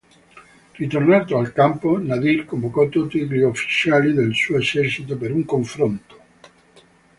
Ritornato al campo, Nadir convocò tutti gli ufficiali del suo esercito per un confronto.